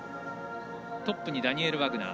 トップにダニエル・ワグナー。